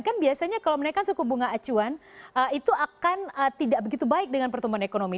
kan biasanya kalau menaikkan suku bunga acuan itu akan tidak begitu baik dengan pertumbuhan ekonomi